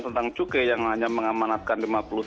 tentang cukai yang hanya mengamanatkan